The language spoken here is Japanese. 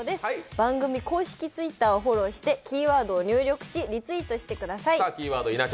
番組公式ツイッターをフォローしてキーワードを入力しリツイートしてください。